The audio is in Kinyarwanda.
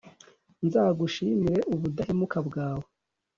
nzagushimire ubudahemuka bwawe